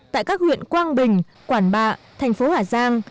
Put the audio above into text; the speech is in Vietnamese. tại các huyện quang bình quảng bạ thành phố hà giang